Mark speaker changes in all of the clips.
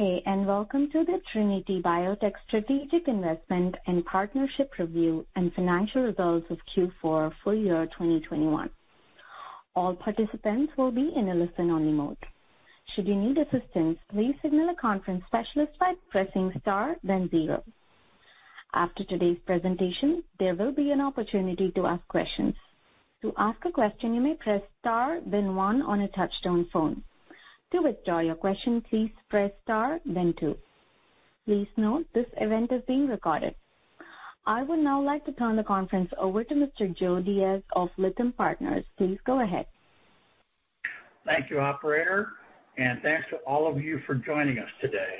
Speaker 1: Good day, and welcome to the Trinity Biotech strategic investment and partnership review and financial results of Q4 full year 2021. All participants will be in a listen-only mode. Should you need assistance, please signal a conference specialist by pressing star then zero. After today's presentation, there will be an opportunity to ask questions. To ask a question, you may press star then one on a touch-tone phone. To withdraw your question, please press star then two. Please note this event is being recorded. I would now like to turn the conference over to Mr. Joe Diaz of Lytham Partners. Please go ahead.
Speaker 2: Thank you, operator, and thanks to all of you for joining us today.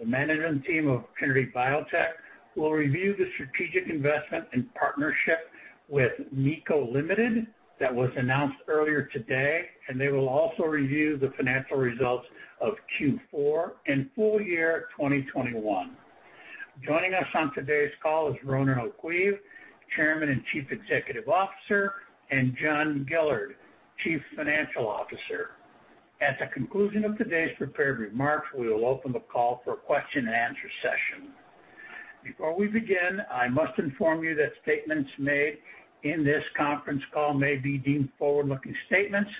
Speaker 2: The management team of Trinity Biotech will review the strategic investment in partnership with MiCo Ltd. That was announced earlier today, and they will also review the financial results of Q4 and full year 2021. Joining us on today's call is Ronan O'Caoimh, Chairman and Chief Executive Officer, and John Gillard, Chief Financial Officer. At the conclusion of today's prepared remarks, we will open the call for a question-and-answer session. Before we begin, I must inform you that statements made in this conference call may be deemed forward-looking statements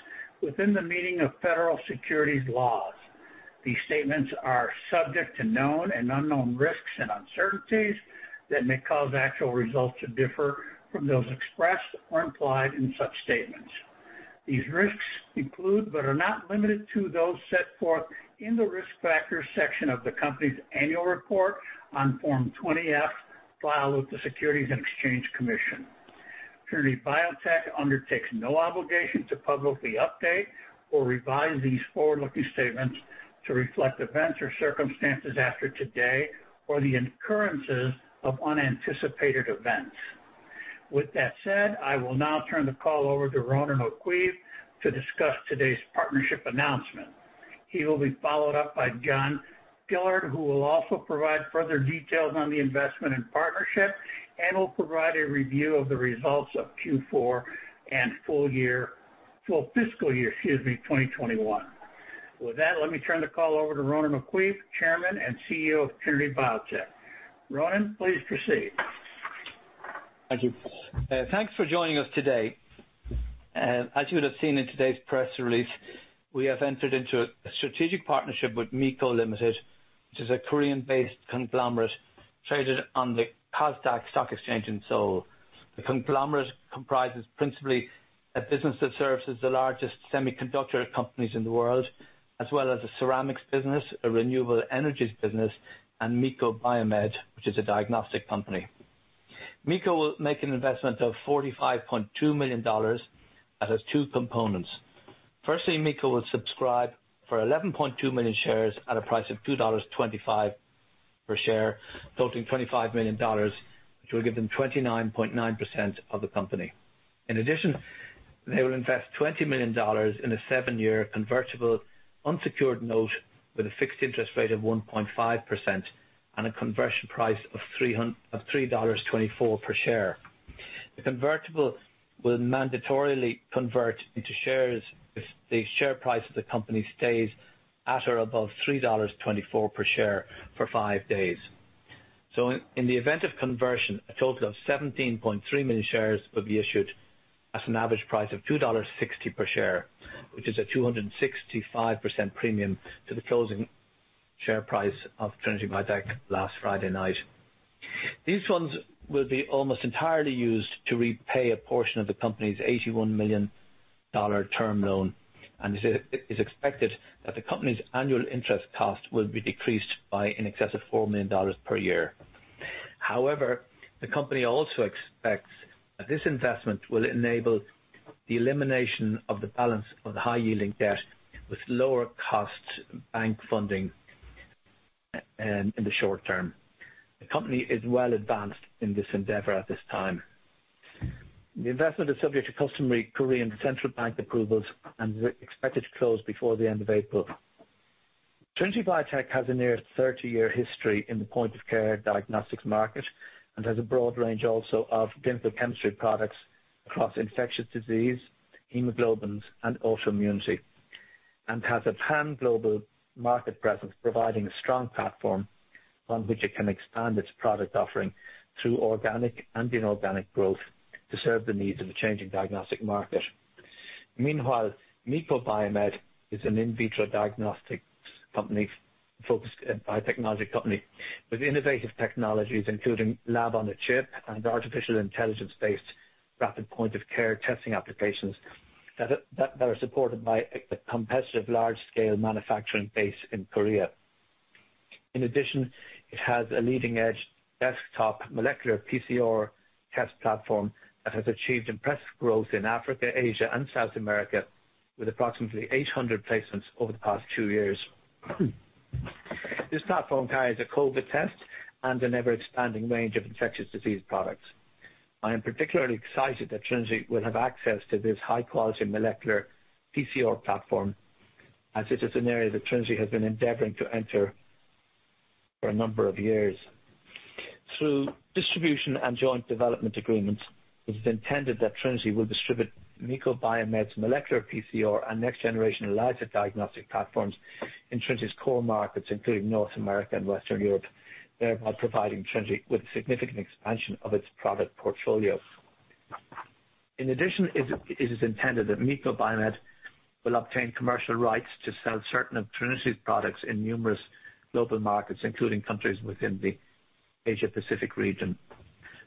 Speaker 2: within the meaning of federal securities laws. These statements are subject to known and unknown risks and uncertainties that may cause actual results to differ from those expressed or implied in such statements. These risks include, but are not limited to, those set forth in the Risk Factors section of the company's annual report on Form 20-F filed with the Securities and Exchange Commission. Trinity Biotech undertakes no obligation to publicly update or revise these forward-looking statements to reflect events or circumstances after today or the occurrences of unanticipated events. With that said, I will now turn the call over to Ronan O'Caoimh to discuss today's partnership announcement. He will be followed up by John Gillard, who will also provide further details on the investment and partnership and will provide a review of the results of Q4 and full fiscal year, excuse me, 2021. With that, let me turn the call over to Ronan O'Caoimh, Chairman and CEO of Trinity Biotech. Ronan, please proceed.
Speaker 3: Thank you. Thanks for joining us today. As you would have seen in today's press release, we have entered into a strategic partnership with MiCo Ltd., which is a Korean-based conglomerate traded on the KOSDAQ stock exchange in Seoul. The conglomerate comprises principally a business that serves the largest semiconductor companies in the world, as well as a ceramics business, a renewable energies business, and MiCo BioMed, which is a diagnostic company. MiCo will make an investment of $45.2 million that has two components. Firstly, MiCo will subscribe for 11.2 million shares at a price of $2.25 per share, totaling $25 million, which will give them 29.9% of the company. In addition, they will invest $20 million in a seven-year convertible unsecured note with a fixed interest rate of 1.5% and a conversion price of $3.24 per share. The convertible will mandatorily convert into shares if the share price of the company stays at or above $3.24 per share for five days. In the event of conversion, a total of 17.3 million shares will be issued at an average price of $2.60 per share, which is a 265% premium to the closing share price of Trinity Biotech last Friday night. These funds will be almost entirely used to repay a portion of the company's $81 million term loan, and it is expected that the company's annual interest cost will be decreased by in excess of $4 million per year. However, the company also expects that this investment will enable the elimination of the balance of the high-yielding debt with lower cost bank funding in the short term. The company is well advanced in this endeavor at this time. The investment is subject to customary Korean central bank approvals and is expected to close before the end of April. Trinity Biotech has a near 30-year history in the point-of-care diagnostics market and has a broad range also of clinical chemistry products across infectious disease, hemoglobins, and autoimmunity, and has a pan-global market presence, providing a strong platform on which it can expand its product offering through organic and inorganic growth to serve the needs of a changing diagnostic market. Meanwhile, MiCo BioMed is an in vitro diagnostics company, a biotechnology company with innovative technologies, including lab-on-a-chip and artificial intelligence-based rapid point-of-care testing applications that are supported by a competitive large-scale manufacturing base in Korea. In addition, it has a leading-edge desktop molecular PCR test platform that has achieved impressive growth in Africa, Asia, and South America, with approximately 800 placements over the past two years. This platform carries a COVID test and an ever-expanding range of infectious disease products. I am particularly excited that Trinity will have access to this high-quality molecular PCR platform, as it is an area that Trinity has been endeavoring to enter for a number of years. Through distribution and joint development agreements, it is intended that Trinity will distribute MiCo BioMed's molecular PCR and next-generation ELISA diagnostic platforms in Trinity's core markets, including North America and Western Europe, thereby providing Trinity with significant expansion of its product portfolio. In addition, it is intended that MiCo BioMed will obtain commercial rights to sell certain of Trinity's products in numerous global markets, including countries within the Asia-Pacific region.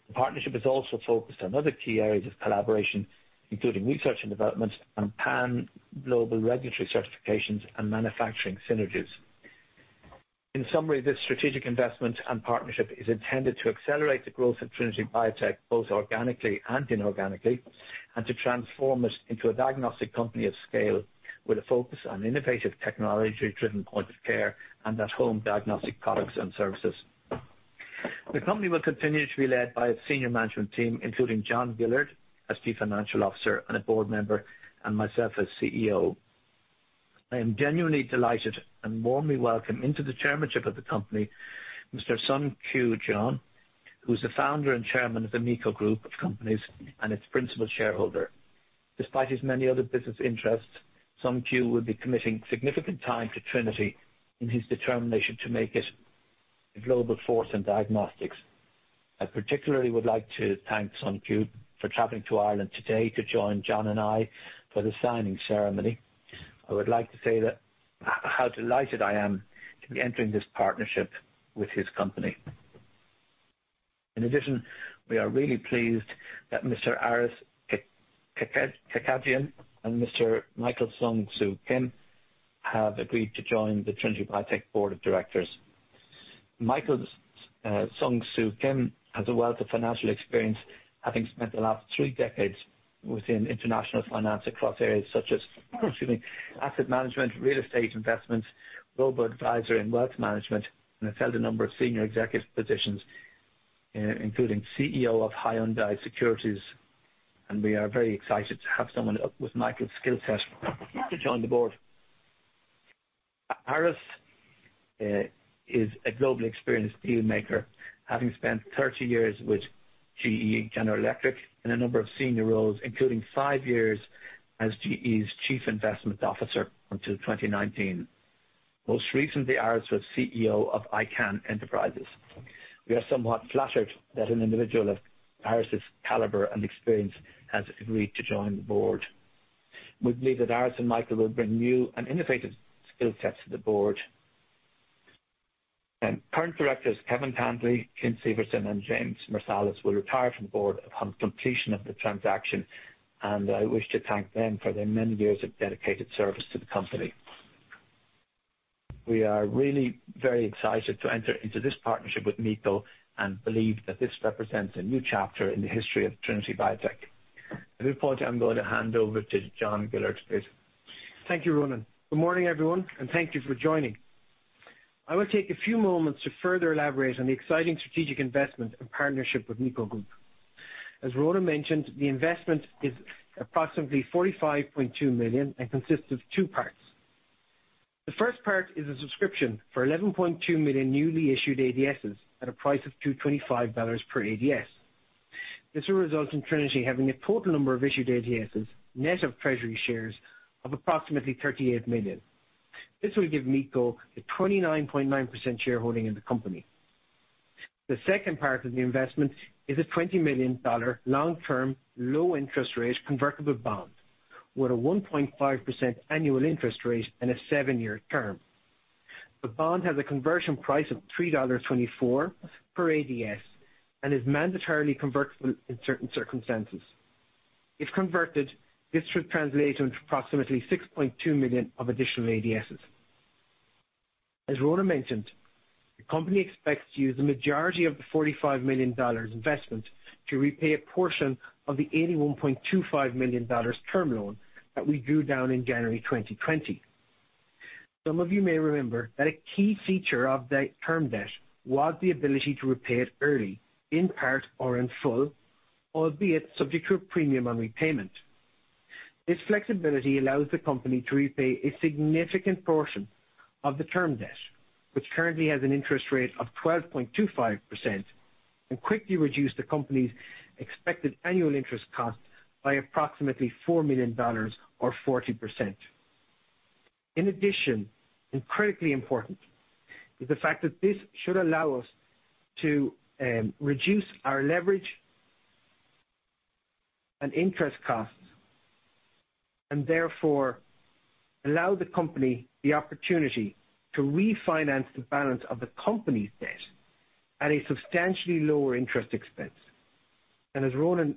Speaker 3: The partnership is also focused on other key areas of collaboration, including research and development and pan-global regulatory certifications and manufacturing synergies. In summary, this strategic investment and partnership is intended to accelerate the growth of Trinity Biotech both organically and inorganically, and to transform it into a diagnostic company of scale with a focus on innovative, technology-driven point of care and at-home diagnostic products and services. The company will continue to be led by a senior management team, including John Gillard as Chief Financial Officer and a board member, and myself as CEO. I am genuinely delighted and I warmly welcome into the chairmanship of the company, Mr. Seon-kyu Jeon, who is the founder and chairman of the MiCo Group of companies and its principal shareholder. Despite his many other business interests, Seon-kyu will be committing significant time to Trinity in his determination to make it a global force in diagnostics. I particularly would like to thank Seon-kyu for traveling to Ireland today to join John and I for the signing ceremony. I would like to say that how delighted I am to be entering this partnership with his company. In addition, we are really pleased that Mr. Aris Kekedjian and Mr. Michael Sung Soo Kim have agreed to join the Trinity Biotech board of directors. Michael Sung Soo Kim has a wealth of financial experience, having spent the last three decades within international finance across areas such as, excuse me, asset management, real estate investments, global advisory, and wealth management, and has held a number of senior executive positions, including CEO of Hyundai Securities. We are very excited to have someone with Michael's skill set to join the board. Aris is a globally experienced deal maker, having spent 30 years with GE, General Electric, in a number of senior roles, including five years as GE's Chief Investment Officer until 2019. Most recently, Aris was CEO of Icahn Enterprises. We are somewhat flattered that an individual of Aris' caliber and experience has agreed to join the board. We believe that Aris and Michael will bring new and innovative skill sets to the board. Current directors Kevin Tansley, Clint Severson, and James Merselis will retire from the board upon completion of the transaction, and I wish to thank them for their many years of dedicated service to the company. We are really very excited to enter into this partnership with MiCo and believe that this represents a new chapter in the history of Trinity Biotech. At this point, I'm going to hand over to John Gillard to speak.
Speaker 4: Thank you, Ronan. Good morning, everyone, and thank you for joining. I will take a few moments to further elaborate on the exciting strategic investment and partnership with MiCo Group. As Ronan mentioned, the investment is approximately $45.2 million and consists of two parts. The first part is a subscription for 11.2 million newly issued ADSs at a price of $2.25 per ADS. This will result in Trinity having a total number of issued ADSs, net of treasury shares, of approximately 38 million. This will give MiCo a 29.9% shareholding in the company. The second part of the investment is a $20 million long-term, low-interest rate convertible bond with a 1.5% annual interest rate and a seven-year term. The bond has a conversion price of $3.24 per ADS and is mandatorily convertible in certain circumstances. If converted, this should translate into approximately 6.2 million of additional ADSs. As Ronan mentioned, the company expects to use the majority of the $45 million investment to repay a portion of the $81.25 million term loan that we drew down in January 2020. Some of you may remember that a key feature of the term debt was the ability to repay it early, in part or in full, albeit subject to a premium on repayment. This flexibility allows the company to repay a significant portion of the term debt, which currently has an interest rate of 12.25%, and quickly reduce the company's expected annual interest cost by approximately $4 million or 40%. In addition, and critically important, is the fact that this should allow us to reduce our leverage and interest costs, and therefore allow the company the opportunity to refinance the balance of the company's debt at a substantially lower interest expense. As Ronan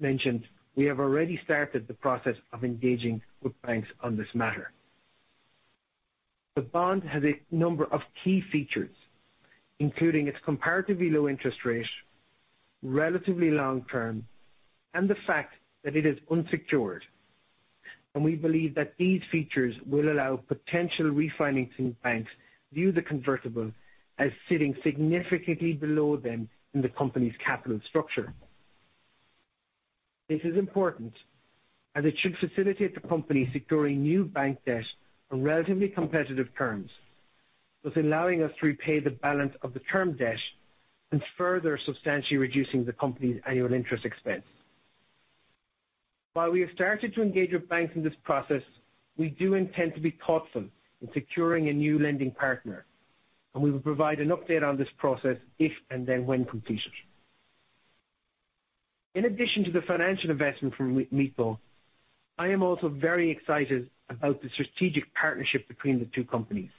Speaker 4: mentioned, we have already started the process of engaging with banks on this matter. The bond has a number of key features, including its comparatively low interest rate, relatively long term, and the fact that it is unsecured. We believe that these features will allow potential refinancing banks view the convertible as sitting significantly below them in the company's capital structure. This is important, and it should facilitate the company securing new bank debt on relatively competitive terms, thus allowing us to repay the balance of the term debt and further substantially reducing the company's annual interest expense. While we have started to engage with banks in this process, we do intend to be thoughtful in securing a new lending partner, and we will provide an update on this process if and then when completed. In addition to the financial investment from MiCo, I am also very excited about the strategic partnership between the two companies.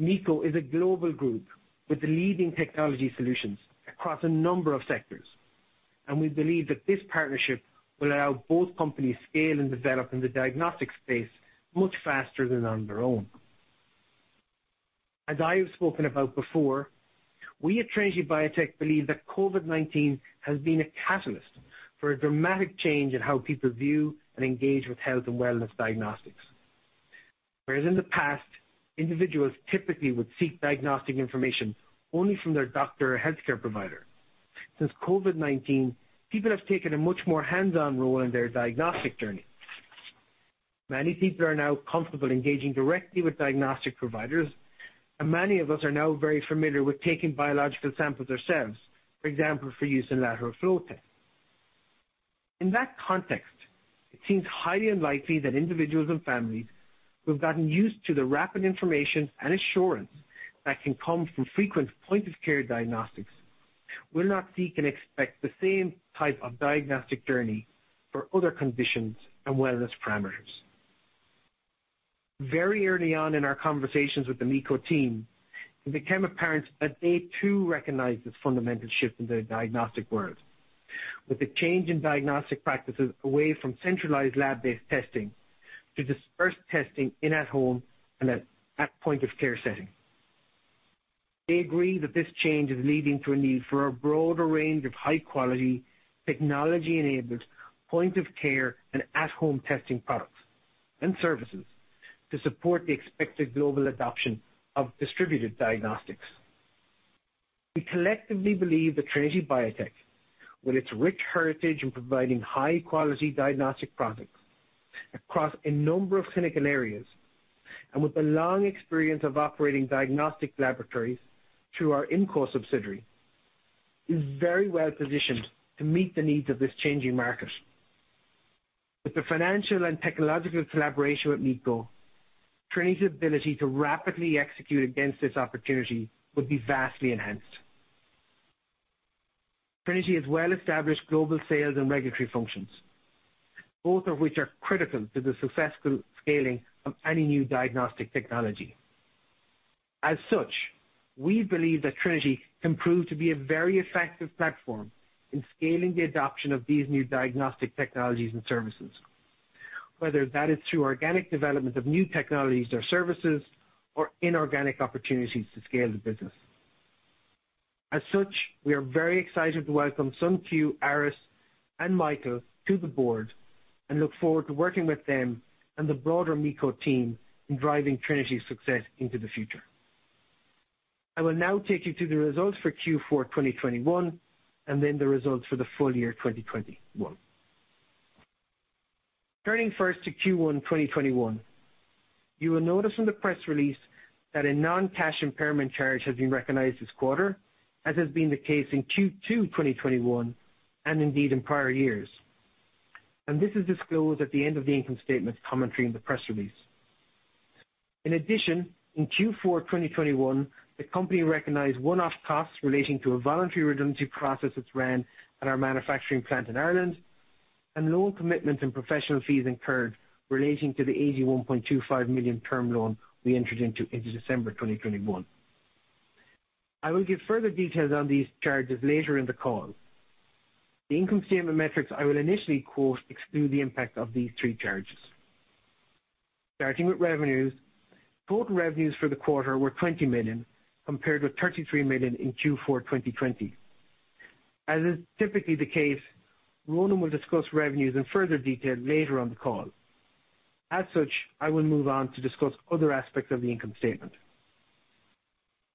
Speaker 4: MiCo is a global group with leading technology solutions across a number of sectors, and we believe that this partnership will allow both companies to scale and develop in the diagnostic space much faster than on their own. As I have spoken about before, we at Trinity Biotech believe that COVID-19 has been a catalyst for a dramatic change in how people view and engage with health and wellness diagnostics. Whereas in the past, individuals typically would seek diagnostic information only from their doctor or healthcare provider. Since COVID-19, people have taken a much more hands-on role in their diagnostic journey. Many people are now comfortable engaging directly with diagnostic providers, and many of us are now very familiar with taking biological samples ourselves, for example, for use in lateral flow tests. In that context, it seems highly unlikely that individuals and families who have gotten used to the rapid information and assurance that can come from frequent point-of-care diagnostics will not seek and expect the same type of diagnostic journey for other conditions and wellness parameters. Very early on in our conversations with the MiCo team, it became apparent that they too recognize this fundamental shift in the diagnostic world. With the change in diagnostic practices away from centralized lab-based testing to dispersed testing in at home and at point-of-care setting. They agree that this change is leading to a need for a broader range of high-quality, technology-enabled point of care and at-home testing products and services to support the expected global adoption of distributed diagnostics. We collectively believe that Trinity Biotech, with its rich heritage in providing high-quality diagnostic products across a number of clinical areas, and with the long experience of operating diagnostic laboratories through our Immco subsidiary, is very well-positioned to meet the needs of this changing market. With the financial and technological collaboration with MiCo, Trinity's ability to rapidly execute against this opportunity would be vastly enhanced. Trinity has well-established global sales and regulatory functions, both of which are critical to the successful scaling of any new diagnostic technology. As such, we believe that Trinity can prove to be a very effective platform in scaling the adoption of these new diagnostic technologies and services, whether that is through organic development of new technologies or services or inorganic opportunities to scale the business. As such, we are very excited to welcome Seon-kyu, Aris, and Michael to the board and look forward to working with them and the broader MiCo team in driving Trinity's success into the future. I will now take you to the results for Q4 2021 and then the results for the full year 2021. Turning first to Q1 2021. You will notice in the press release that a non-cash impairment charge has been recognized this quarter, as has been the case in Q2 2021 and indeed in prior years. This is disclosed at the end of the income statement commentary in the press release. In addition, in Q4 2021, the company recognized one-off costs relating to a voluntary redundancy process it ran at our manufacturing plant in Ireland and loan commitments and professional fees incurred relating to the $81.25 million term loan we entered into in December 2021. I will give further details on these charges later in the call. The income statement metrics I will initially quote exclude the impact of these three charges. Starting with revenues. Total revenues for the quarter were $20 million, compared with $33 million in Q4 2020. As is typically the case, Ronan will discuss revenues in further detail later on the call. As such, I will move on to discuss other aspects of the income statement.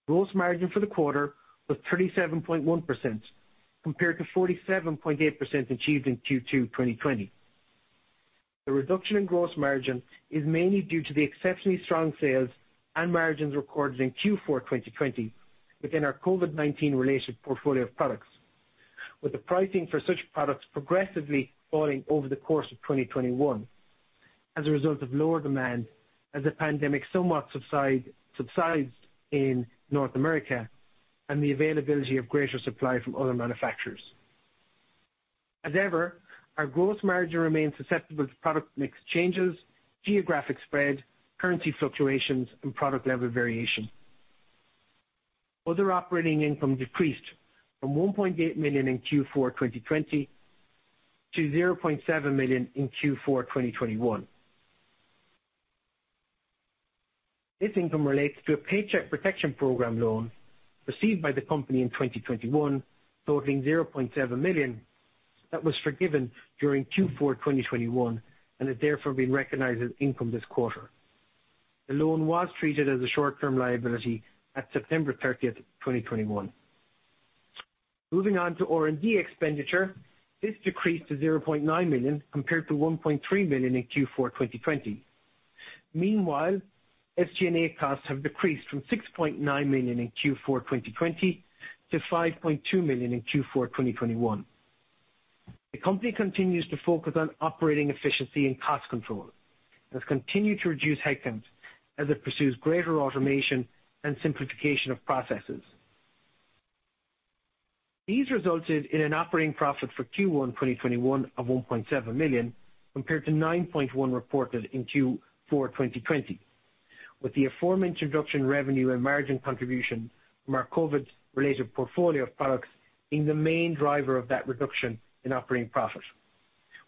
Speaker 4: Gross margin for the quarter was 37.1%, compared to 47.8% achieved in Q2 2020. The reduction in gross margin is mainly due to the exceptionally strong sales and margins recorded in Q4 2020 within our COVID-19 related portfolio of products, with the pricing for such products progressively falling over the course of 2021 as a result of lower demand as the pandemic somewhat subsides in North America and the availability of greater supply from other manufacturers. Our gross margin remains susceptible to product mix changes, geographic spread, currency fluctuations, and product level variation. Other operating income decreased from $1.8 million in Q4 2020 to $0.7 million in Q4 2021. This income relates to a Paycheck Protection Program loan received by the company in 2021 totaling $0.7 million that was forgiven during Q4 2021 and has therefore been recognized as income this quarter. The loan was treated as a short-term liability at September 30th, 2021. Moving on to R&D expenditure. This decreased to $0.9 million compared to $1.3 million in Q4 2020. Meanwhile, SG&A costs have decreased from $6.9 million in Q4 2020 to $5.2 million in Q4 2021. The company continues to focus on operating efficiency and cost control, and has continued to reduce headcount as it pursues greater automation and simplification of processes. These resulted in an operating profit for Q1 2021 of $1.7 million, compared to $9.1 million reported in Q4 2020. With the aforementioned reduction in revenue and margin contribution from our COVID-related portfolio of products being the main driver of that reduction in operating profit.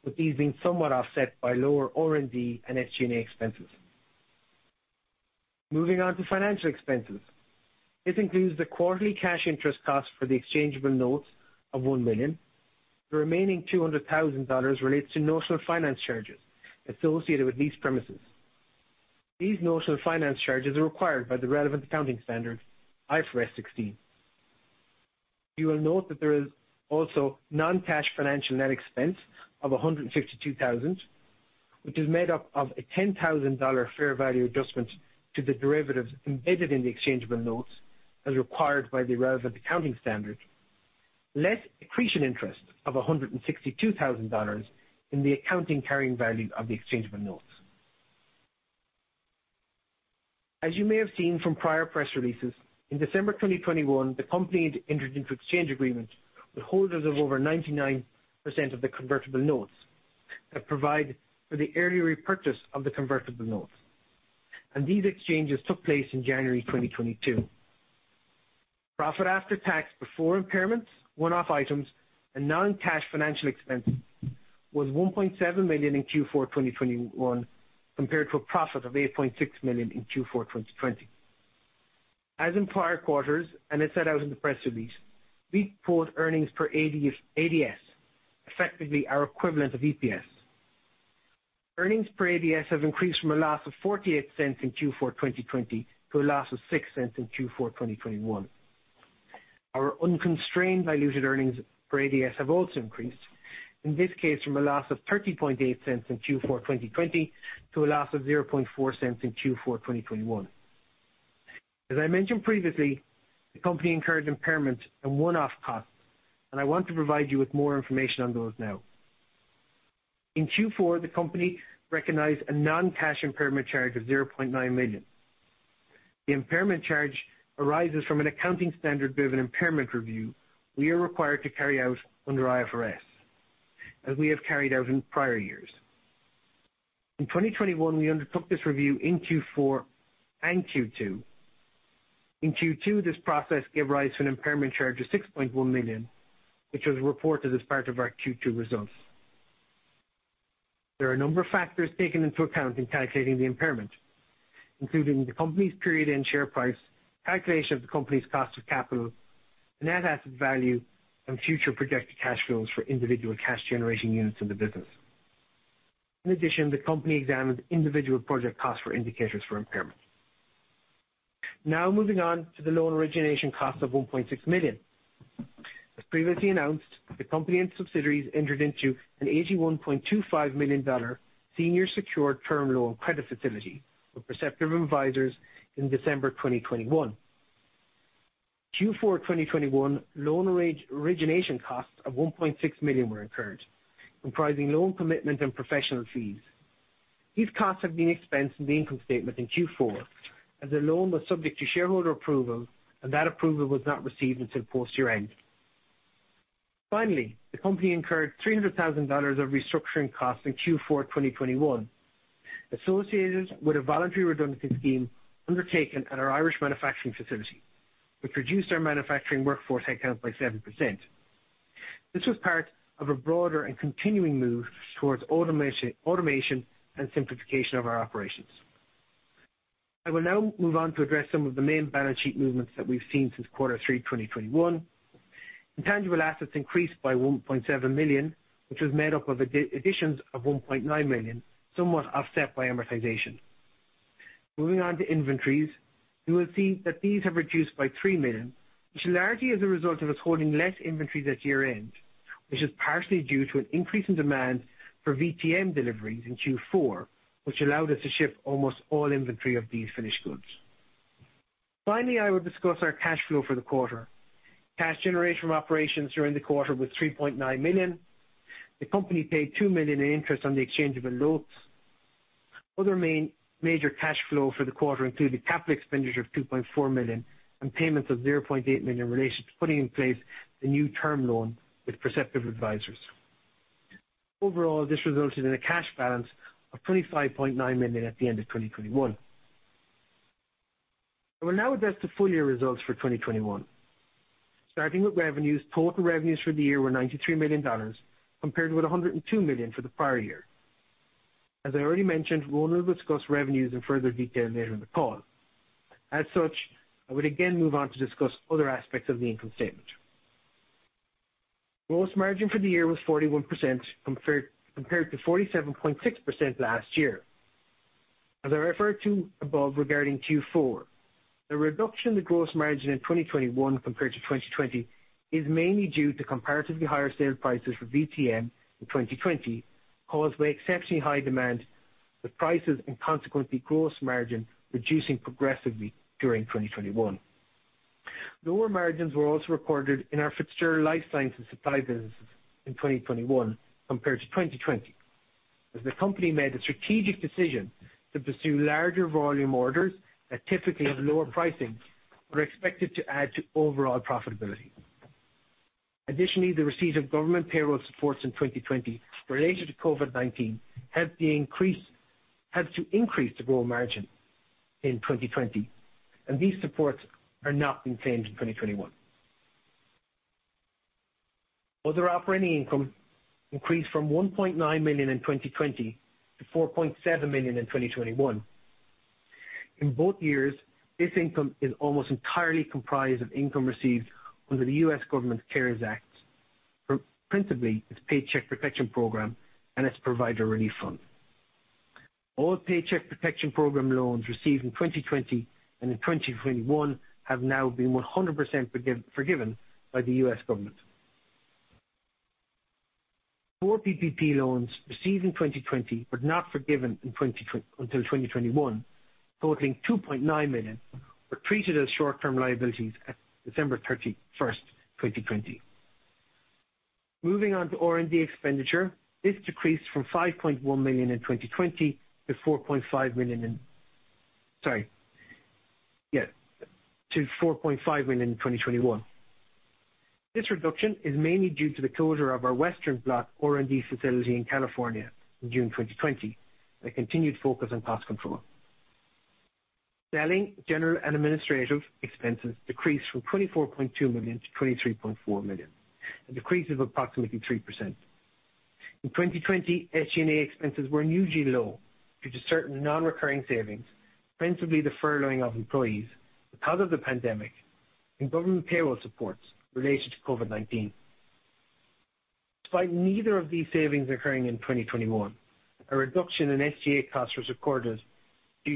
Speaker 4: With these being somewhat offset by lower R&D and SG&A expenses. Moving on to financial expenses. This includes the quarterly cash interest cost for the exchangeable notes of $1 million. The remaining $200,000 relates to notional finance charges associated with leased premises. These notional finance charges are required by the relevant accounting standard, IFRS 16. You will note that there is also non-cash financial net expense of $152,000, which is made up of a $10,000 fair value adjustment to the derivatives embedded in the exchangeable notes as required by the relevant accounting standard, less accretion interest of $162,000 in the accounting carrying value of the exchangeable notes. As you may have seen from prior press releases, in December 2021, the company had entered into exchange agreement with holders of over 99% of the convertible notes that provide for the early repurchase of the convertible notes. These exchanges took place in January 2022. Profit after tax, before impairments, one-off items, and non-cash financial expenses was $1.7 million in Q4 2021, compared to a profit of $8.6 million in Q4 2020. In prior quarters, and as set out in the press release, we post earnings per ADS, effectively our equivalent of EPS. Earnings per ADS have increased from a loss of $0.48 in Q4 2020 to a loss of $0.06 in Q4 2021. Our unconstrained diluted earnings per ADS have also increased, in this case from a loss of $0.308 in Q4 2020 to a loss of $0.004 in Q4 2021. I mentioned previously, the company incurred impairment and one-off costs, and I want to provide you with more information on those now. In Q4, the company recognized a non-cash impairment charge of $0.9 million. The impairment charge arises from an accounting standard driven impairment review we are required to carry out under IFRS, as we have carried out in prior years. In 2021, we undertook this review in Q4 and Q2. In Q2, this process gave rise to an impairment charge of $6.1 million, which was reported as part of our Q2 results. There are a number of factors taken into account in calculating the impairment, including the company's period-end share price, calculation of the company's cost of capital, the net asset value, and future projected cash flows for individual cash generating units in the business. In addition, the company examined individual project costs for indicators for impairment. Now moving on to the loan origination cost of $1.6 million. As previously announced, the company and subsidiaries entered into an $81.25 million senior secured term loan credit facility with Perceptive Advisors in December 2021. Q4 2021 loan origination costs of $1.6 million were incurred, comprising loan commitment and professional fees. These costs have been expensed in the income statement in Q4, as the loan was subject to shareholder approval, and that approval was not received until post year-end. Finally, the company incurred $300,000 of restructuring costs in Q4 2021 associated with a voluntary redundancy scheme undertaken at our Irish manufacturing facility, which reduced our manufacturing workforce headcount by 7%. This was part of a broader and continuing move towards automation and simplification of our operations. I will now move on to address some of the main balance sheet movements that we've seen since quarter three 2021. Intangible assets increased by $1.7 million, which was made up of additions of $1.9 million, somewhat offset by amortization. Moving on to inventories. You will see that these have reduced by $3 million, which is largely as a result of us holding less inventories at year-end, which is partially due to an increase in demand for VTM deliveries in Q4, which allowed us to ship almost all inventory of these finished goods. Finally, I will discuss our cash flow for the quarter. Cash generated from operations during the quarter was $3.9 million. The company paid $2 million in interest on the exchangeable notes. Other major cash flow for the quarter included capital expenditure of $2.4 million and payments of $0.8 million related to putting in place the new term loan with Perceptive Advisors. Overall, this resulted in a cash balance of $25.9 million at the end of 2021. I will now address the full year results for 2021. Starting with revenues. Total revenues for the year were $93 million, compared with $102 million for the prior year. As I already mentioned, we're gonna discuss revenues in further detail later in the call. As such, I would again move on to discuss other aspects of the income statement. Gross margin for the year was 41% compared to 47.6% last year. As I referred to above regarding Q4, the reduction in the gross margin in 2021 compared to 2020 is mainly due to comparatively higher sales prices for VTM in 2020 caused by exceptionally high demand, with prices and consequently gross margin reducing progressively during 2021. Lower margins were also recorded in our Fitzgerald life sciences supply business in 2021 compared to 2020. The company made the strategic decision to pursue larger volume orders that typically have lower pricing but are expected to add to overall profitability. Additionally, the receipt of government payroll supports in 2020 related to COVID-19 helped to increase the gross margin in 2020, and these supports are not maintained in 2021. Other operating income increased from $1.9 million in 2020 to $4.7 million in 2021. In both years, this income is almost entirely comprised of income received under the U.S. Government's CARES Act, principally its Paycheck Protection Program and its Provider Relief Fund. All Paycheck Protection Program loans received in 2020 and in 2021 have now been 100% forgiven by the U.S. government. Four PPP loans received in 2020 but not forgiven until 2021, totaling $2.9 million, were treated as short-term liabilities at December 31st, 2020. Moving on to R&D expenditure. This decreased from $5.1 million in 2020 to $4.5 million in 2021. This reduction is mainly due to the closure of our Western Blot R&D facility in California in June 2020 and a continued focus on cost control. Selling, general and administrative expenses decreased from $24.2 million to $23.4 million. A decrease of approximately 3%. In 2020, SG&A expenses were unusually low due to certain non-recurring savings, principally the furloughing of employees because of the pandemic and government payroll supports related to COVID-19. Despite neither of these savings occurring in 2021, a reduction in SG&A costs was recorded due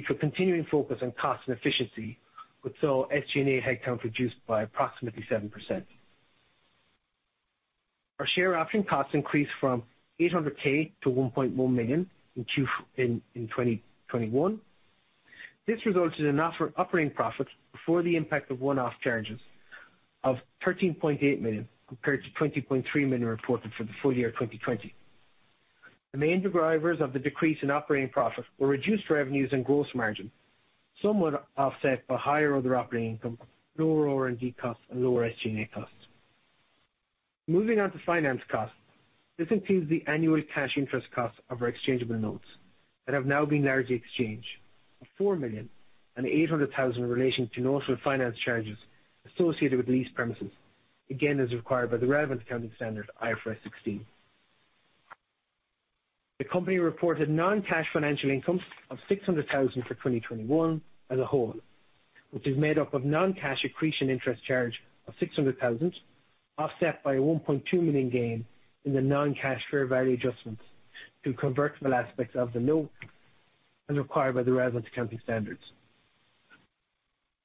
Speaker 4: to a continuing focus on cost and efficiency, which saw SG&A headcount reduced by approximately 7%. Our share option costs increased from $800,000 to $1.1 million in 2021. This resulted in operating profits before the impact of one-off charges of $13.8 million compared to $20.3 million reported for the full year 2020. The main drivers of the decrease in operating profits were reduced revenues and gross margin, somewhat offset by higher other operating income, lower R&D costs and lower SG&A costs. Moving on to finance costs. This includes the annual cash interest costs of our exchangeable notes that have now been largely exchanged of $4.8 million in relation to note finance charges associated with leased premises, again, as required by the relevant accounting standard, IFRS 16. The company reported non-cash financial income of $600,000 for 2021 as a whole, which is made up of non-cash accretion interest charge of $600,000, offset by a $1.2 million gain in the non-cash fair value adjustments to convertible aspects of the note as required by the relevant accounting standards.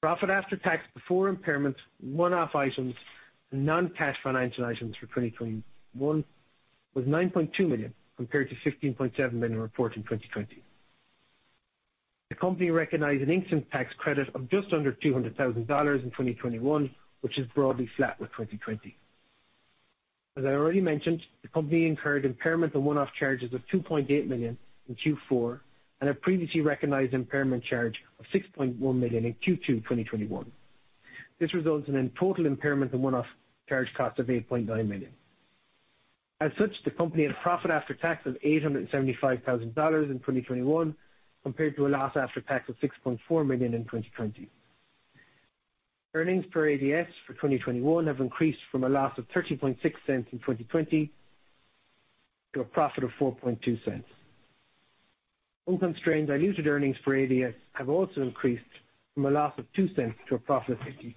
Speaker 4: Profit after tax before impairment, one-off items and non-cash financial items for 2021 was $9.2 million, compared to $16.7 million reported in 2020. The company recognized an income tax credit of just under $200,000 in 2021, which is broadly flat with 2020. I already mentioned, the company incurred impairment and one-off charges of $2.8 million in Q4 and a previously recognized impairment charge of $6.1 million in Q2 2021. This results in a total impairment and one-off charge cost of $8.9 million. The company had a profit after tax of $875,000 in 2021, compared to a loss after tax of $6.4 million in 2020. Earnings per ADS for 2021 have increased from a loss of $0.306 in 2020 to a profit of $0.042. Non-GAAP diluted earnings per ADS have also increased from a loss of $0.02 to a profit of $0.50.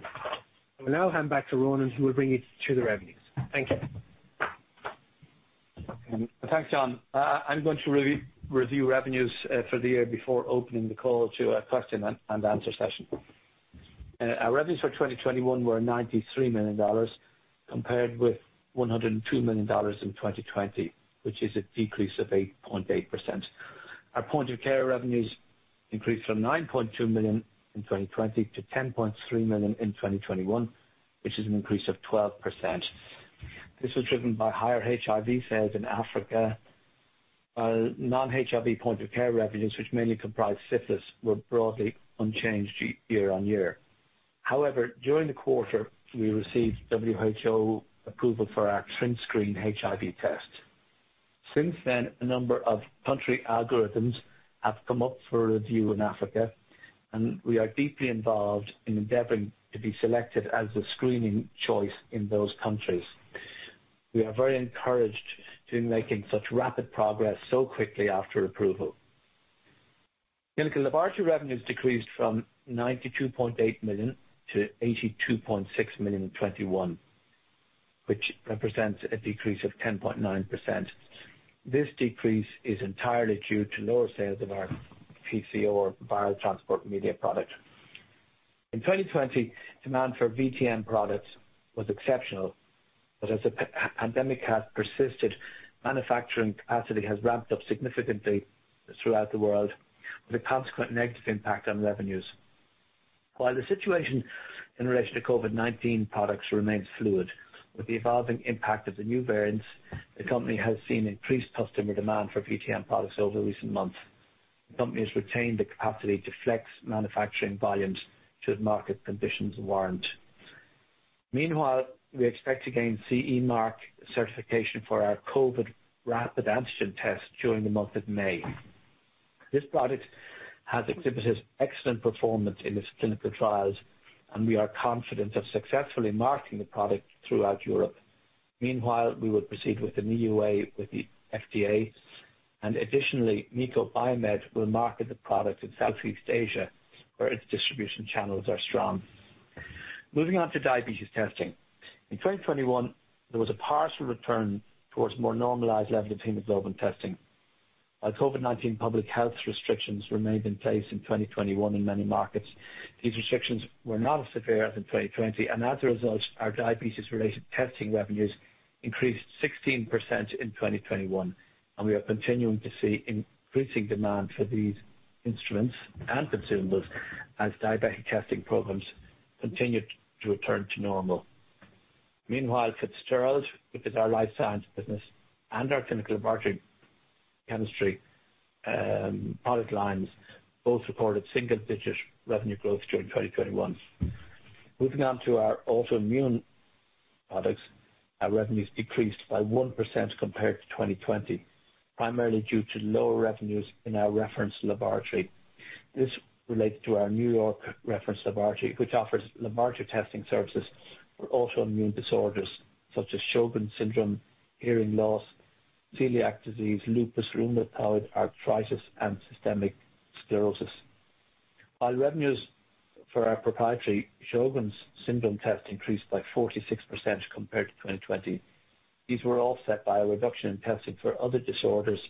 Speaker 4: I will now hand back to Ronan, who will bring you to the revenues. Thank you.
Speaker 3: Thanks, John. I'm going to review revenues for the year before opening the call to a question and answer session. Our revenues for 2021 were $93 million, compared with $102 million in 2020, which is a decrease of 8.8%. Our point-of-care revenues increased from $9.2 million in 2020 to $10.3 million in 2021, which is an increase of 12%. This was driven by higher HIV sales in Africa. Non-HIV point-of-care revenues, which mainly comprise syphilis, were broadly unchanged year-on-year. However, during the quarter, we received WHO approval for our TrinScreen HIV test. Since then, a number of country algorithms have come up for review in Africa, and we are deeply involved in endeavoring to be selected as the screening choice in those countries. We are very encouraged in making such rapid progress so quickly after approval. Clinical laboratory revenues decreased from $92.8 million to $82.6 million in 2021, which represents a decrease of 10.9%. This decrease is entirely due to lower sales of our PCR viral transport media product. In 2020, demand for VTM products was exceptional, but as the pandemic has persisted, manufacturing capacity has ramped up significantly throughout the world with a consequent negative impact on revenues. While the situation in relation to COVID-19 products remains fluid with the evolving impact of the new variants, the company has seen increased customer demand for VTM products over recent months. The company has retained the capacity to flex manufacturing volumes should market conditions warrant. Meanwhile, we expect to gain CE mark certification for our COVID rapid antigen test during the month of May. This product has exhibited excellent performance in its clinical trials and we are confident of successfully marketing the product throughout Europe. Meanwhile, we will proceed with the EUA with the FDA. Additionally, MiCo BioMed will market the product in Southeast Asia, where its distribution channels are strong. Moving on to diabetes testing. In 2021, there was a partial return towards more normalized levels of hemoglobin testing. While COVID-19 public health restrictions remained in place in 2021 in many markets, these restrictions were not as severe as in 2020, and as a result, our diabetes-related testing revenues increased 16% in 2021, and we are continuing to see increasing demand for these instruments and consumables as diabetic testing programs continue to return to normal. Meanwhile, Fitzgerald, which is our life science business and our clinical laboratory chemistry, product lines, both reported single-digit revenue growth during 2021. Moving on to our autoimmune products. Our revenues decreased by 1% compared to 2020, primarily due to lower revenues in our reference laboratory. This relates to our New York reference laboratory, which offers laboratory testing services for autoimmune disorders such as Sjögren's syndrome, hearing loss, celiac disease, lupus, rheumatoid arthritis, and systemic sclerosis. While revenues for our proprietary Sjögren's syndrome test increased by 46% compared to 2020, these were offset by a reduction in testing for other disorders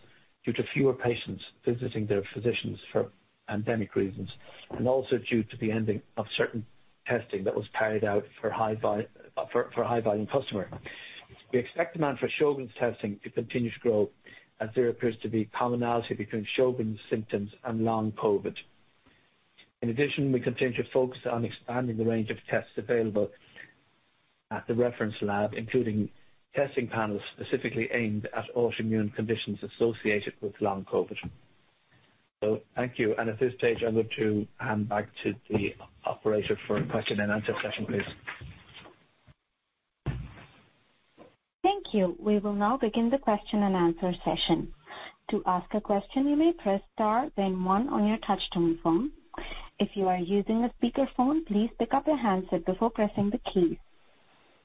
Speaker 3: due to fewer patients visiting their physicians for pandemic reasons, and also due to the ending of certain testing that was carried out for high volume customer. We expect demand for Sjögren's testing to continue to grow as there appears to be commonality between Sjögren's symptoms and long COVID. In addition, we continue to focus on expanding the range of tests available at the reference lab, including testing panels specifically aimed at autoimmune conditions associated with long COVID. Thank you. At this stage, I'm going to hand back to the operator for a question and answer session, please.
Speaker 1: Thank you. We will now begin the question and answer session. To ask a question, you may press star then one on your touchtone phone. If you are using a speakerphone, please pick up your handset before pressing the key.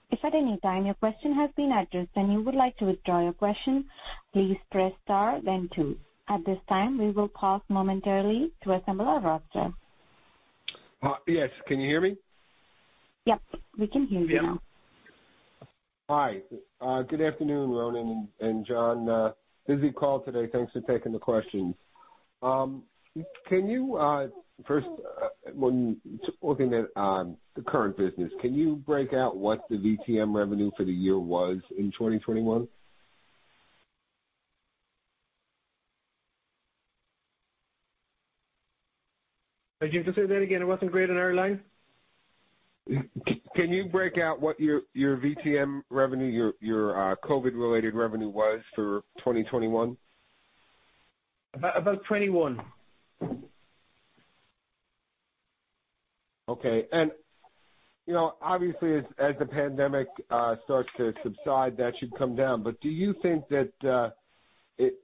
Speaker 1: If at any time your question has been addressed and you would like to withdraw your question, please press star then two. At this time, we will pause momentarily to assemble our roster.
Speaker 5: Yes. Can you hear me?
Speaker 1: Yep, we can hear you now.
Speaker 5: Yeah. Hi. Good afternoon, Ronan and John. Busy call today. Thanks for taking the questions. Can you first, looking at the current business, break out what the VTM revenue for the year was in 2021?
Speaker 4: Could you just say that again? It wasn't great on our line.
Speaker 5: Can you break out what your VTM revenue, your COVID-related revenue was for 2021?
Speaker 4: About $21 million.
Speaker 5: Okay. You know, obviously as the pandemic starts to subside, that should come down. Do you think that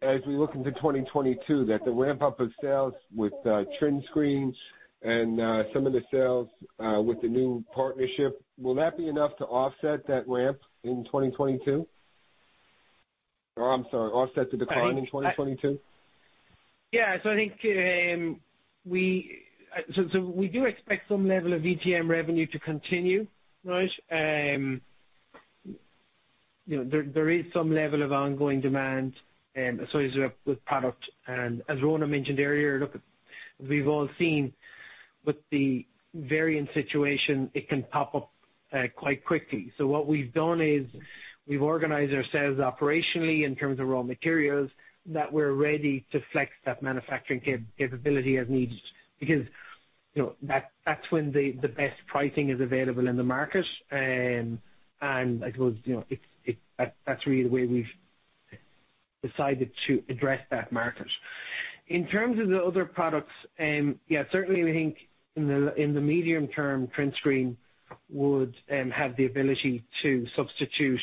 Speaker 5: as we look into 2022, that the ramp-up of sales with TrinScreen and some of the sales with the new partnership, will that be enough to offset that ramp in 2022? Or I'm sorry, offset the decline in 2022?
Speaker 4: I think we do expect some level of VTM revenue to continue, right? You know, there is some level of ongoing demand, so there is with product. As Ronan mentioned earlier, we've all seen with the variant situation, it can pop up quite quickly. What we've done is we've organized ourselves operationally in terms of raw materials, that we're ready to flex that manufacturing capability as needed because, you know, that's when the best pricing is available in the market. I suppose, you know, that's really the way we've decided to address that market. In terms of the other products, certainly we think in the medium term, TrinScreen would have the ability to substitute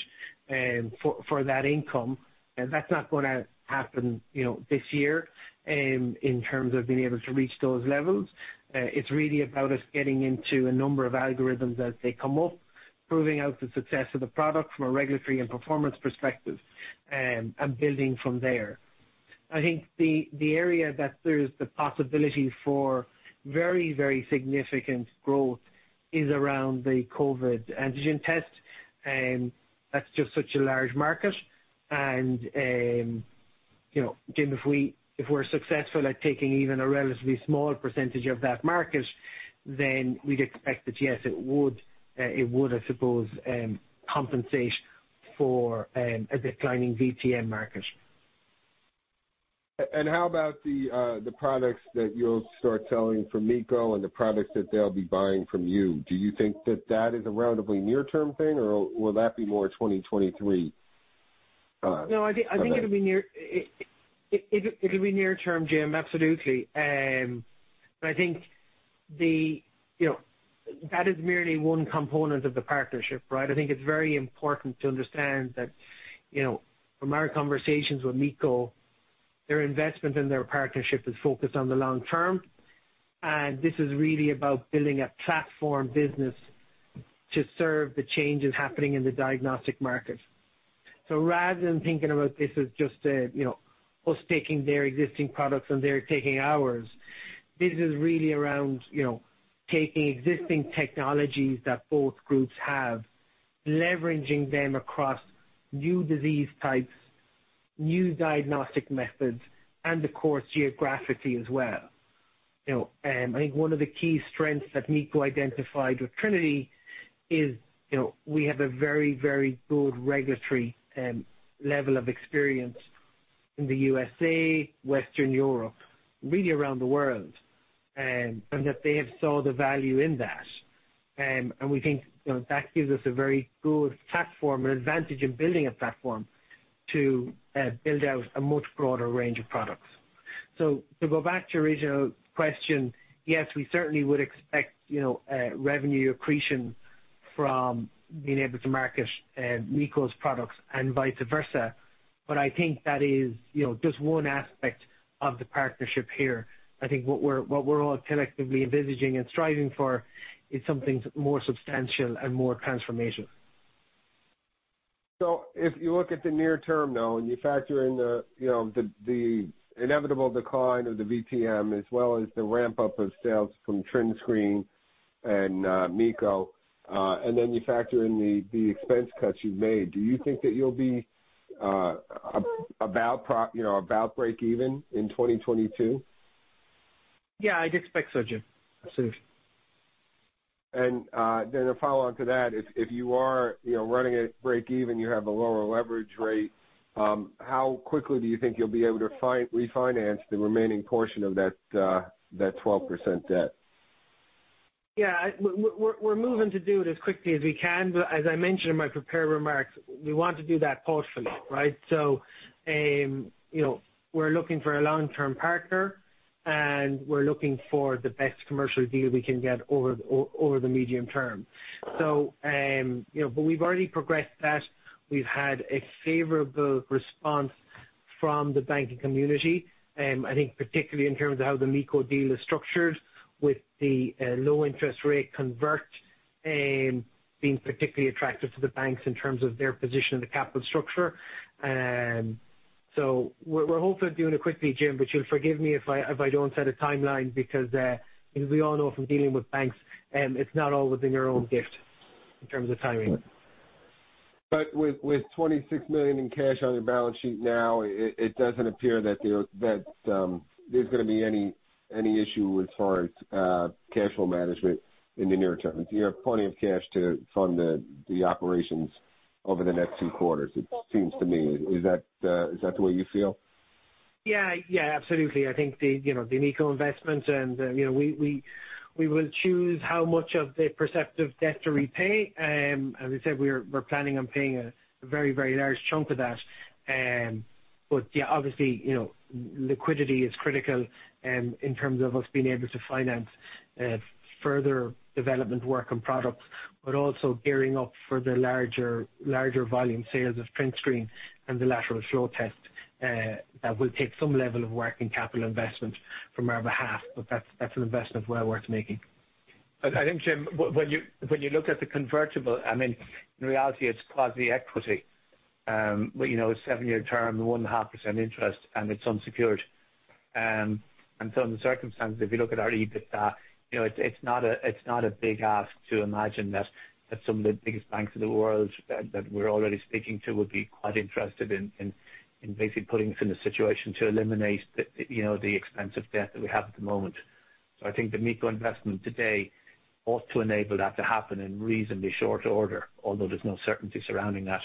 Speaker 4: for that income. That's not gonna happen, you know, this year, in terms of being able to reach those levels. It's really about us getting into a number of algorithms as they come up, proving out the success of the product from a regulatory and performance perspective, and building from there. I think the area that there's the possibility for very, very significant growth is around the COVID antigen test, and that's just such a large market. You know, Jim, if we're successful at taking even a relatively small percentage of that market, then we'd expect that, yes, it would, I suppose, compensate for a declining VTM market.
Speaker 5: How about the products that you'll start selling from MiCo and the products that they'll be buying from you? Do you think that is a relatively near-term thing, or will that be more 2023 event?
Speaker 4: No, I think it'll be near term, Jim, absolutely. I think you know, that is merely one component of the partnership, right? I think it's very important to understand that, you know, from our conversations with MiCo, their investment in their partnership is focused on the long term, and this is really about building a platform business to serve the changes happening in the diagnostic market. Rather than thinking about this as just a, you know, us taking their existing products and they're taking ours, this is really around, you know, taking existing technologies that both groups have, leveraging them across new disease types, new diagnostic methods, and of course, geographically as well. You know, I think one of the key strengths that MiCo identified with Trinity is, you know, we have a very, very good regulatory level of experience in the USA, Western Europe, really around the world, and that they have saw the value in that. We think, you know, that gives us a very good platform or advantage in building a platform to build out a much broader range of products. To go back to your original question, yes, we certainly would expect, you know, revenue accretion from being able to market MiCo's products and vice versa. I think that is, you know, just one aspect of the partnership here. I think what we're all collectively envisaging and striving for is something more substantial and more transformational.
Speaker 5: If you look at the near term, though, and you factor in you know the inevitable decline of the VTM as well as the ramp-up of sales from TrinScreen and MiCo, and then you factor in the expense cuts you've made, do you think that you'll be you know about break even in 2022?
Speaker 4: Yeah, I'd expect so, Jim. Absolutely.
Speaker 5: A follow-on to that. If you are, you know, running at break-even, you have a lower leverage rate, how quickly do you think you'll be able to refinance the remaining portion of that 12% debt?
Speaker 4: Yeah, we're moving to do it as quickly as we can. As I mentioned in my prepared remarks, we want to do that thoughtfully, right? You know, we're looking for a long-term partner, and we're looking for the best commercial deal we can get over the medium term. You know, we've already progressed that. We've had a favorable response from the banking community. I think particularly in terms of how the MiCo deal is structured with the low-interest-rate convertible being particularly attractive to the banks in terms of their position in the capital structure. We're hopeful of doing it quickly, Jim, but you'll forgive me if I don't set a timeline because as we all know from dealing with banks, it's not all within your own gift in terms of timing.
Speaker 5: With $26 million in cash on your balance sheet now, it doesn't appear that there's gonna be any issue as far as cash flow management in the near term. You have plenty of cash to fund the operations over the next two quarters, it seems to me. Is that the way you feel?
Speaker 4: Yeah. Yeah, absolutely. I think the, you know, the MiCo investment and, you know, we will choose how much of the Perceptive debt to repay. As I said, we're planning on paying a very large chunk of that. But yeah, obviously, you know, liquidity is critical in terms of us being able to finance further development work on products, but also gearing up for the larger volume sales of TrinScreen and the lateral flow test. That will take some level of working capital investment on our behalf, but that's an investment well worth making.
Speaker 3: I think, Jim, when you look at the convertible, I mean, in reality, it's quasi-equity. You know, it's seven-year term, 1.5% interest, and it's unsecured. In the circumstances, if you look at our EBITDA, you know, it's not a big ask to imagine that some of the biggest banks in the world that we're already speaking to would be quite interested in basically putting us in a situation to eliminate the expensive debt that we have at the moment. I think the MiCo investment today ought to enable that to happen in reasonably short order, although there's no certainty surrounding that.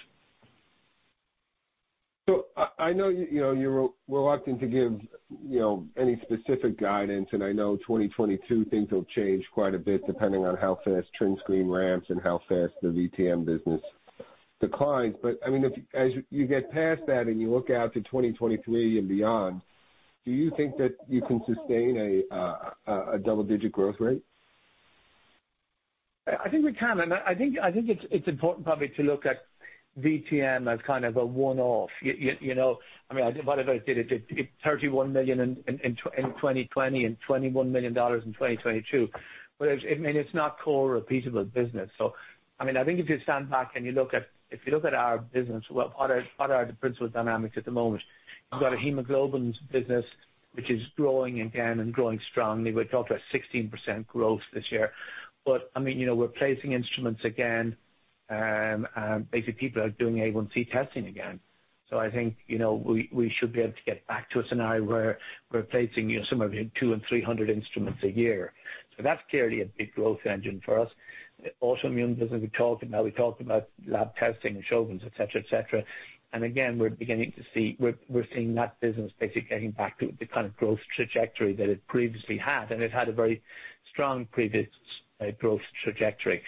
Speaker 5: I know, you know, you're reluctant to give, you know, any specific guidance, and I know 2022 things will change quite a bit depending on how fast TrinScreen ramps and how fast the VTM business declines. I mean, if as you get past that and you look out to 2023 and beyond, do you think that you can sustain a double-digit growth rate?
Speaker 3: I think we can. I think it's important probably to look at VTM as kind of a one-off. You know, I mean, whatever it did, it did $31 million in 2020 and $21 million in 2022. But I mean, it's not core repeatable business. I mean, I think if you stand back and you look at our business, well, what are the principal dynamics at the moment? You've got a hemoglobins business, which is growing again and growing strongly. We're talking about 16% growth this year. But I mean, you know, we're placing instruments again, basically people are doing A1C testing again. I think, you know, we should be able to get back to a scenario where we're placing, you know, somewhere between 200-300 instruments a year. That's clearly a big growth engine for us. The autoimmune business we talked about, we talked about lab testing and Sjögren's, et cetera, et cetera. We're beginning to see we're seeing that business basically getting back to the kind of growth trajectory that it previously had, and it had a very strong previous growth trajectory.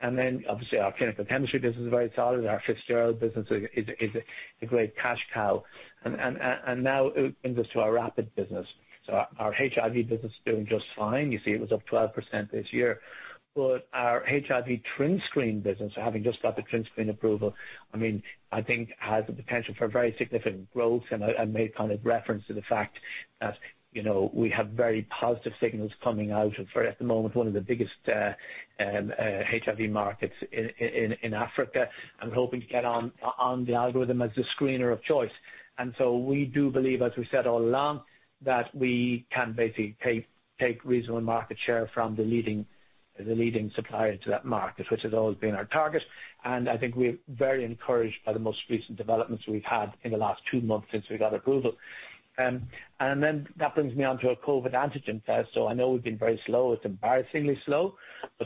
Speaker 3: Then, obviously our clinical chemistry business is very solid. Our Fitzgerald business is a great cash cow. Now it brings us to our rapid business. Our HIV business is doing just fine. You see it was up 12% this year. Our HIV TrinScreen business, having just got the TrinScreen approval, I mean, I think has the potential for very significant growth. I made kind of reference to the fact that, you know, we have very positive signals coming out of, at the moment, one of the biggest HIV markets in Africa, and hoping to get on the algorithm as the screener of choice. We do believe, as we said all along, that we can basically take reasonable market share from the leading supplier to that market, which has always been our target. I think we're very encouraged by the most recent developments we've had in the last two months since we got approval. That brings me on to our COVID antigen test. I know we've been very slow. It's embarrassingly slow.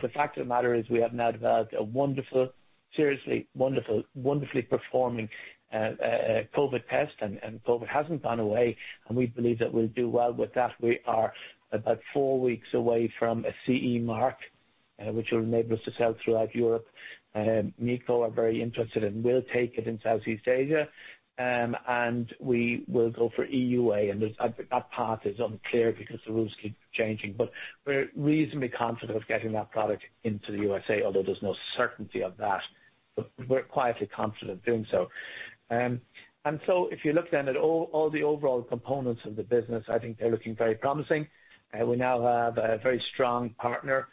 Speaker 3: The fact of the matter is we have now developed a wonderful, seriously wonderful, wonderfully performing, COVID test, and COVID hasn't gone away, and we believe that we'll do well with that. We are about four weeks away from a CE mark, which will enable us to sell throughout Europe. MiCo are very interested and will take it in Southeast Asia. We will go for EUA. I think that path is unclear because the rules keep changing, but we're reasonably confident of getting that product into the USA, although there's no certainty of that. We're quietly confident doing so. If you look then at all the overall components of the business, I think they're looking very promising. We now have a very strong partner,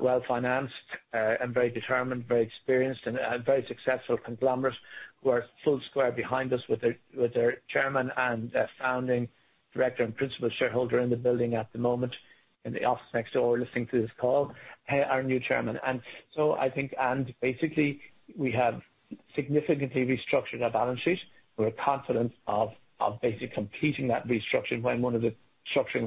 Speaker 3: well-financed, and very determined, very experienced and a very successful conglomerate who are full square behind us with their chairman and founding director and principal shareholder in the building at the moment in the office next door, listening to this call, our new chairman. I think basically, we have significantly restructured our balance sheet. We're confident of basically completing that restructuring when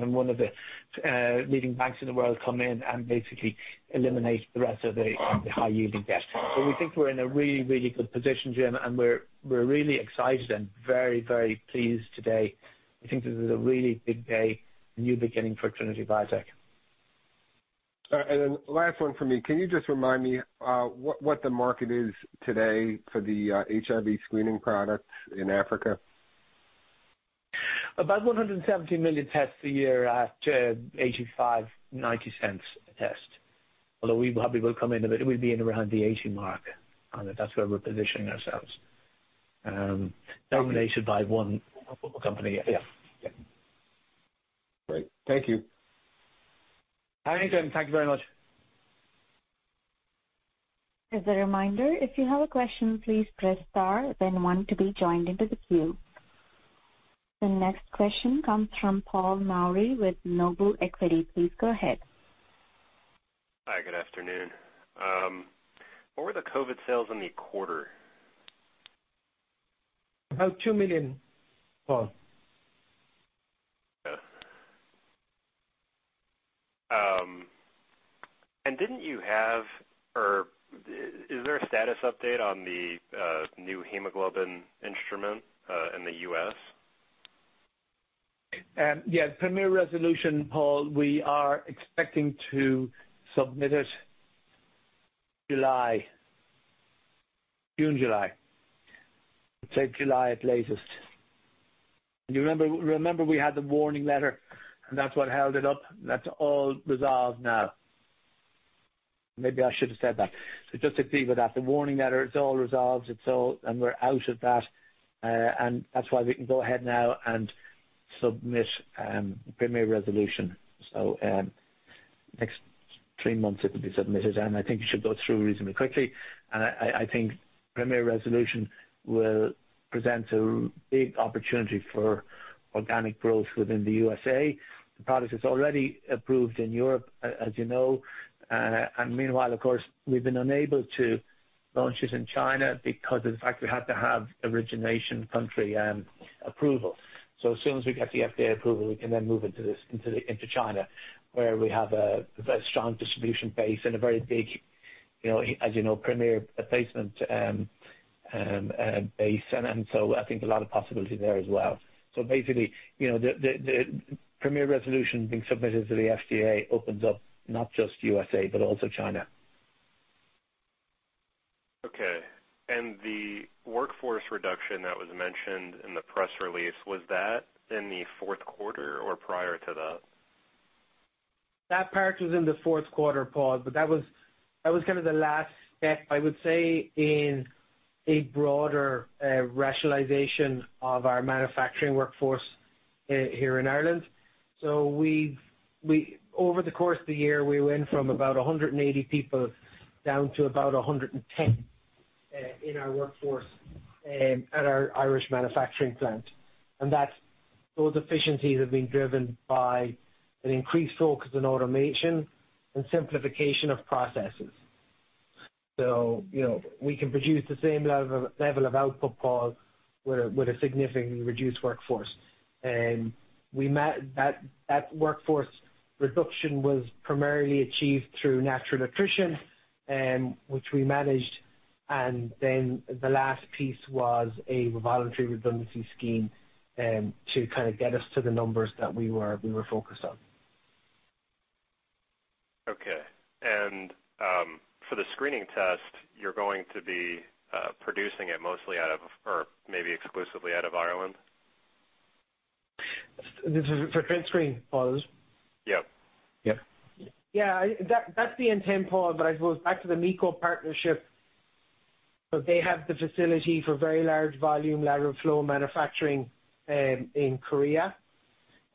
Speaker 3: one of the leading banks in the world come in and basically eliminate the rest of the high-yielding debt. We think we're in a really good position, Jim, and we're really excited and very pleased today. I think this is a really big day, a new beginning for Trinity Biotech.
Speaker 5: All right. Last one for me. Can you just remind me, what the market is today for the HIV screening products in Africa?
Speaker 3: About 170 million tests a year at $0.85-$0.90 a test. Although we probably will come in, we'll be in around the $0.80 mark. That's where we're positioning ourselves. Dominated by one company. Yeah. Yeah.
Speaker 5: Great. Thank you.
Speaker 3: Anything. Thank you very much.
Speaker 1: As a reminder, if you have a question, please press star then one to be joined into the queue. The next question comes from Paul Nouri with Noble Equity. Please go ahead.
Speaker 6: Hi, good afternoon. What were the COVID sales in the quarter?
Speaker 3: About $2 million, Paul.
Speaker 6: Okay. Didn't you have or is there a status update on the new hemoglobin instrument in the U.S.?
Speaker 3: Yeah. Premier Resolution, Paul, we are expecting to submit it July. June, July. Let's say July at latest. You remember we had the warning letter, and that's what held it up. That's all resolved now. Maybe I should have said that. Just to be clear that the warning letter, it's all resolved, and we're out of that. That's why we can go ahead now and submit Premier Resolution. Next three months it will be submitted, and I think it should go through reasonably quickly. I think Premier Resolution will present a big opportunity for organic growth within the USA. The product is already approved in Europe as you know. Meanwhile of course, we've been unable to launch this in China because of the fact we had to have country of origin approval. As soon as we get the FDA approval, we can then move into this, into China, where we have a very strong distribution base and a very big, you know, as you know, Premier placement base. I think a lot of possibility there as well. Basically, you know, the Premier Resolution being submitted to the FDA opens up not just USA, but also China.
Speaker 6: Okay. The workforce reduction that was mentioned in the press release, was that in the fourth quarter or prior to that?
Speaker 4: That part was in the fourth quarter, Paul. That was kind of the last step, I would say, in a broader rationalization of our manufacturing workforce here in Ireland. Over the course of the year, we went from about 180 people down to about 110 in our workforce at our Irish manufacturing plant. Those efficiencies have been driven by an increased focus on automation and simplification of processes. You know, we can produce the same level of output, Paul, with a significantly reduced workforce. That workforce reduction was primarily achieved through natural attrition, which we managed, and then the last piece was a voluntary redundancy scheme to kind of get us to the numbers that we were focused on.
Speaker 6: Okay. For the screening test, you're going to be producing it mostly out of or maybe exclusively out of Ireland?
Speaker 4: This is for TrinScreen, Paul, is it?
Speaker 6: Yep.
Speaker 4: Yeah. Yeah, that's the intent, Paul. I suppose back to the MiCo partnership. They have the facility for very large volume lateral flow manufacturing in Korea.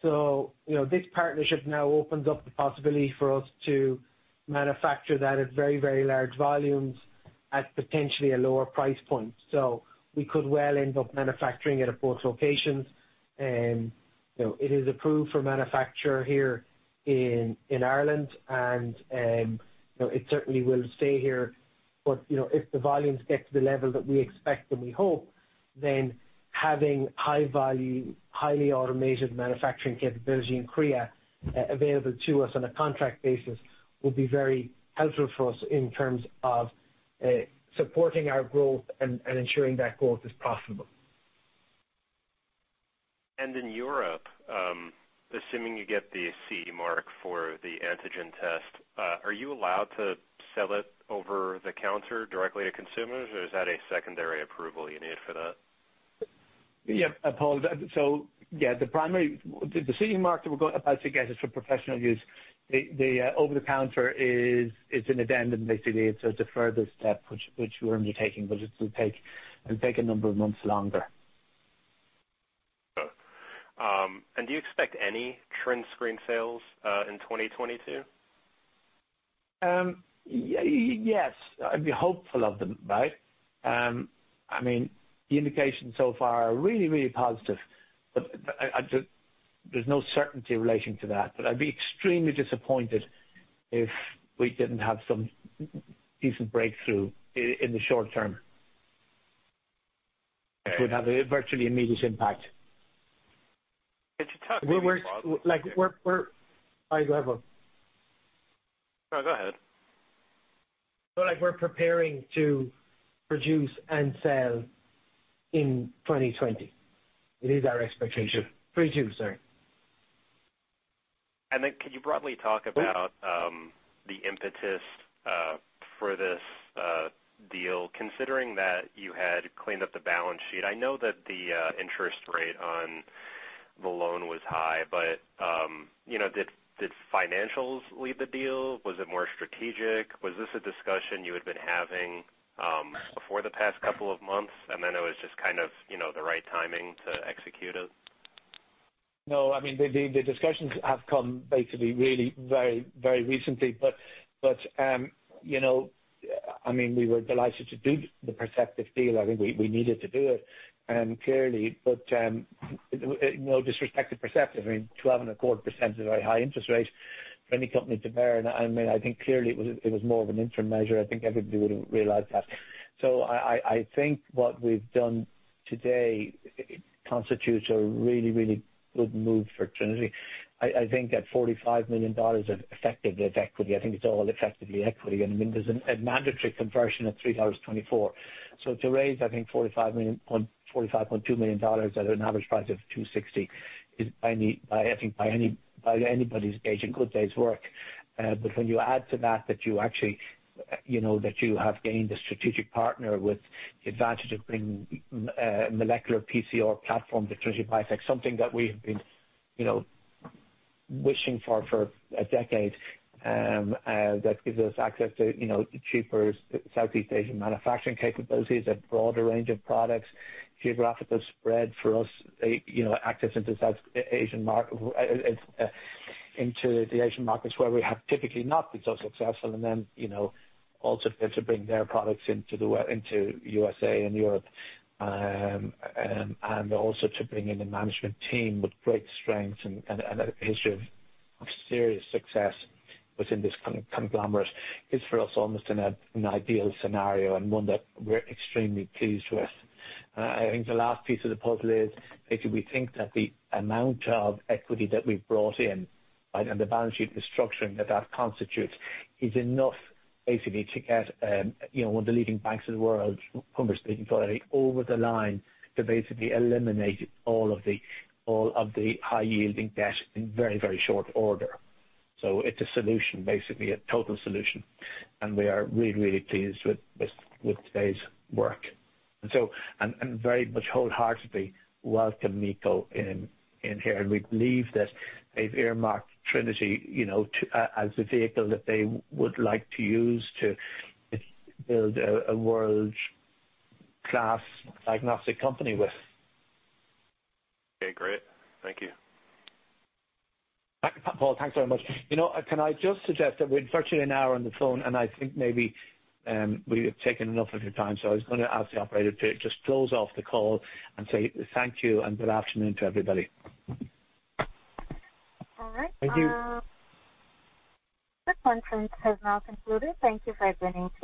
Speaker 4: You know, this partnership now opens up the possibility for us to manufacture that at very, very large volumes at potentially a lower price point. We could well end up manufacturing it at both locations. You know, it is approved for manufacture here in Ireland and, you know, it certainly will stay here. You know, if the volumes get to the level that we expect and we hope, then having high value, highly automated manufacturing capability in Korea available to us on a contract basis will be very helpful for us in terms of supporting our growth and ensuring that growth is profitable.
Speaker 6: In Europe, assuming you get the CE mark for the antigen test, are you allowed to sell it over the counter directly to consumers, or is that a secondary approval you need for that?
Speaker 3: Yeah, Paul. Yeah, the over the counter is an addendum basically. It's a further step which we're undertaking, but it'll take a number of months longer.
Speaker 6: Do you expect any TrinScreen sales in 2022?
Speaker 3: Yes. I'd be hopeful of them, right. I mean, the indications so far are really, really positive. There's no certainty relating to that. I'd be extremely disappointed if we didn't have some decent breakthrough in the short term. It would have a virtually immediate impact.
Speaker 6: Could you talk-
Speaker 4: Sorry, go ahead, Paul.
Speaker 6: No, go ahead.
Speaker 4: We're preparing to produce and sell in 2020. It is our expectation. 2022, sorry.
Speaker 6: Could you broadly talk about the impetus for this deal, considering that you had cleaned up the balance sheet? I know that the interest rate on the loan was high, but you know, did financials lead the deal? Was it more strategic? Was this a discussion you had been having before the past couple of months, and then it was just kind of you know, the right timing to execute it?
Speaker 3: No. I mean, the discussions have come basically really very recently. You know, I mean, we were delighted to do the Perceptive deal. I think we needed to do it clearly. Despite Perceptive, I mean, 12.25% is a very high interest rate for any company to bear. I mean, I think clearly it was more of an interim measure. I think everybody would have realized that. I think what we've done today constitutes a really good move for Trinity. I think that $45 million effectively is equity. I think it's all effectively equity. I mean, there's a mandatory conversion of $3.24. To raise $45.2 million at an average price of $2.60 is, by anybody's gauge, a good day's work. When you add to that that you actually have gained a strategic partner with the advantage of bringing molecular PCR platform to Trinity Biotech, something that we have been wishing for a decade, that gives us access to cheaper Southeast Asian manufacturing capabilities, a broader range of products, geographical spread for us, access into the Asian markets where we have typically not been so successful. You know, also for them to bring their products into USA and Europe. To bring in a management team with great strengths and a history of serious success within this conglomerate is for us almost an ideal scenario and one that we're extremely pleased with. I think the last piece of the puzzle is, basically we think that the amount of equity that we've brought in, right, and the balance sheet restructuring that that constitutes is enough basically to get, you know, one of the leading banks of the world, over the line to basically eliminate all of the high-yielding debt in very short order. It's a solution, basically a total solution, and we are really pleased with today's work, we very much wholeheartedly welcome MiCo in here. We believe that they've earmarked Trinity, you know, as a vehicle that they would like to use to build a world-class diagnostic company with.
Speaker 6: Okay, great. Thank you.
Speaker 3: Paul, thanks very much. You know, can I just suggest that we're virtually an hour on the phone, and I think maybe we have taken enough of your time. I was gonna ask the operator to just close off the call and say thank you and good afternoon to everybody.
Speaker 1: All right.
Speaker 3: Thank you.
Speaker 1: This conference has now concluded. Thank you for joining.